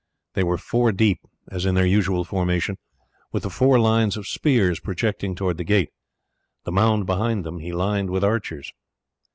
They were four deep, as in their usual formation, with the four lines of spears projecting towards the gate. The mound behind them he lined with archers.